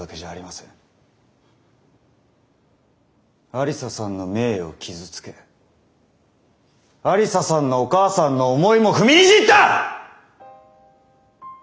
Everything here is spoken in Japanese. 愛理沙さんの名誉を傷つけ愛理沙さんのお母さんの思いも踏みにじった！